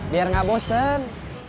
biar gak bosen